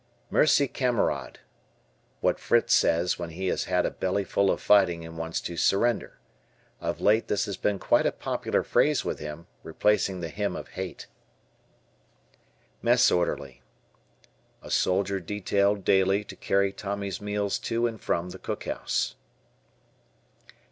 "Mercy Kamerad." What Fritz says when he has had a bellyful of fighting and wants to surrender. Of late this has been quite a popular phrase with him, replacing the Hymn of Hate. Mess Orderly. A soldier detailed daily to carry Tommy's meals to and from the cook house.